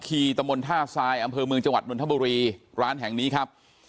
ตะมนต์ท่าทรายอำเภอเมืองจังหวัดนทบุรีร้านแห่งนี้ครับ